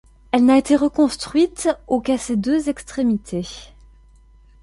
Elle n’a été reconstruite au qu’à ses deux extrémités.